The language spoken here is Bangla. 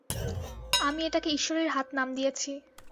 আমি এটাকে ঈশ্বরের হাত নাম দিয়েছি।